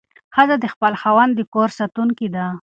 ښځه د خپل خاوند د کور ساتونکې ده.